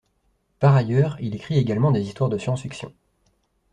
Par ailleurs, il écrit également des histoires de science-fiction.